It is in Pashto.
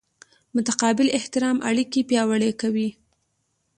متقابل احترام اړیکې پیاوړې کوي.